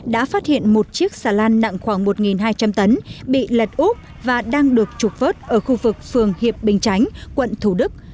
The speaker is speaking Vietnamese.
đã phát hiện một chiếc xà lan nặng khoảng một hai trăm linh tấn bị lật úp và đang được trục vớt ở khu vực phường hiệp bình chánh quận thủ đức